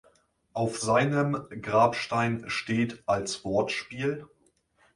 Auf seinem Grabstein steht als Wortspiel